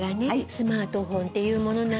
スマートフォンっていうものなんだよ